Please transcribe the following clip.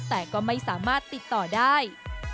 แต่ก็ไม่สามารถติดต่อได้